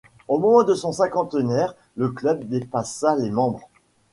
Au moment de son cinquantenaire, le club dépassa les membres.